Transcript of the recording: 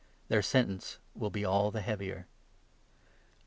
Their sentence will be all the heavier.